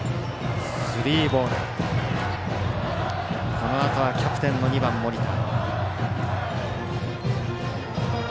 このあとはキャプテンの２番、森田。